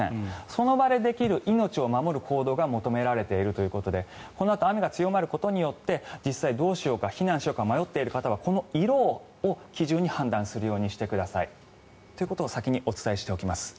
その場でできる命を守る行動が求められているということでこのあと雨が強まることによって実際、どうしようか避難しようか迷っている時はこの色を基準に判断するようにしてください。ということを先にお伝えしておきます。